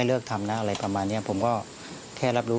ก็เลือกทำอะไรประมาณนี้ผมก็แค้นรับรู้